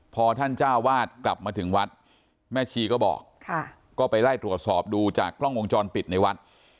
พอท่านเจ้าวาดกลับมาถึงวัดแม่ชีก็บอกก็ไปไล่ตรวจสอบดูจากกล้องวงจรปิดในวัด